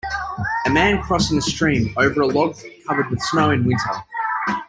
A man crossing a stream over a log covered with snow in winter.